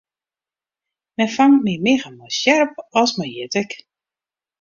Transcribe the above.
Men fangt mear miggen mei sjerp as mei jittik.